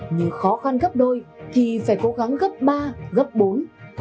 nhưng khó khăn gấp đôi thì phải cố gắng gấp ba gấp bốn